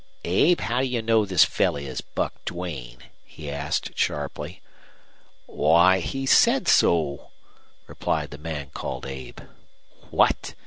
"Abe, how do you know this fellow is Buck Duane?" he asked, sharply. "Why he said so," replied the man called Abe. "What!"